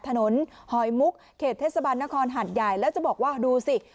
หอยมุกเขตเทศบาลนครหัดใหญ่แล้วจะบอกว่าดูสิ